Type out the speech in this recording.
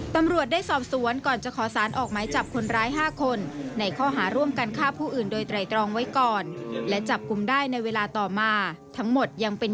ตำรวจได้สอบสวนก่อนจะขอสารออกไม้จับคนร้าย๕คนในข้อหาร่วมกันฆ่าผู้อื่นโดยไตรรองไว้ก่อน